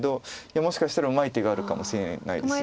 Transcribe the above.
いやもしかしたらうまい手があるかもしれないです。